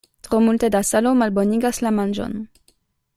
Tro multe da salo malbonigas la manĝon.